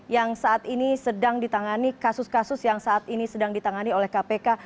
yang saat ini sedang ditangani kasus kasus yang saat ini sedang ditangani oleh kpk